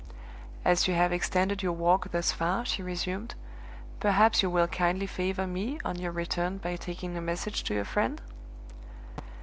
"As you have extended your walk thus far," she resumed, "perhaps you will kindly favor me, on your return, by taking a message to your friend?